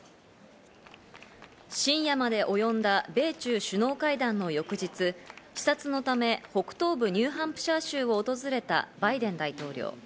深夜までおよんだ米中首脳会談の翌日、視察のため北東部ニューハンプシャー州を訪れたバイデン大統領。